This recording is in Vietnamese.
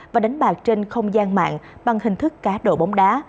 và đánh bạc trên không gian mạng bằng hình thức cá độ bóng đá